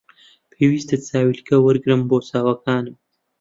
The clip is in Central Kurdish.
پێویستە چاویلکە وەرگرم بۆ چاوەکانم